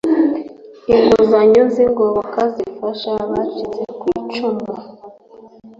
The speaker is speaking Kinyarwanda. inguzanyo z ‘ingoboka zifasha abacitse kwicumu.